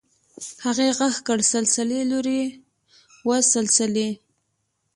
هغې غږ کړ سلسلې لورې وه سلسلې.